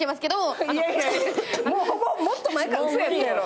もっと前から嘘やったやろ。